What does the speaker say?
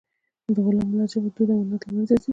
د غلام ملت ژبه، دود او عنعنات له منځه ځي.